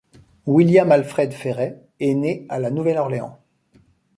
William Alfred Fréret est né à La Nouvelle-Orléans.